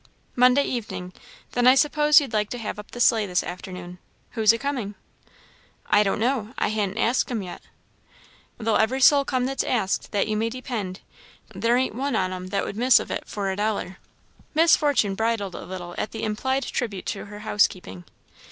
"Monday evening; then I suppose you'd like to have up the sleigh this afternoon. Who's acoming?" "I don't know; I han't asked 'em yet." "They'll every soul come that's asked that you may depend; there ain't one on 'em that would miss of it for a dollar." Miss Fortune bridled a little at the implied tribute to her housekeeping.